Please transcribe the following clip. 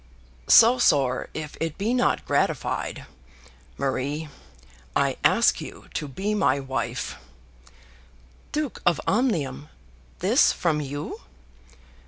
"So sore, if it be not gratified. Marie, I ask you to be my wife." "Duke of Omnium, this from you!"